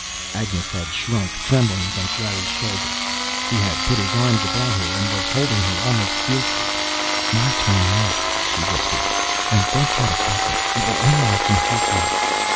Agnes had shrunk, trembling, against Larry's shoulder. He had put his arms about her and was holding her almost fiercely. "My turn next," she whispered. "And don't try to fight them. It will only make them hurt you!"